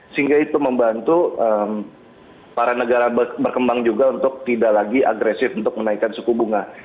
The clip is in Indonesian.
sehingga itu membantu para negara berkembang juga untuk tidak lagi agresif untuk menaikkan suku bunga